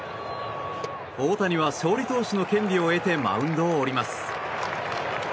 大谷は勝利投手の権利を得てマウンドを降ります。